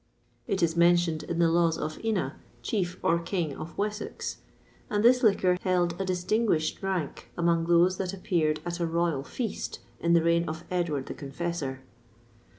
It is mentioned in the laws of Ina, Chief, or King, of Wessex; and this liquor held a distinguished rank among those that appeared at a royal feast in the reign of Edward the Confessor.